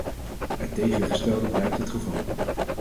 Het tegengestelde blijkt het geval.